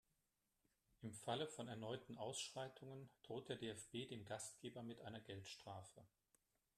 Im Falle von erneuten Ausschreitungen droht der DFB dem Gastgeber mit einer Geldstrafe.